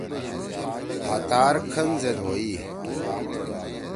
ہاتار کھن زید ہوئی۔